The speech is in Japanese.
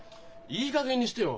いいかげんにしてよ！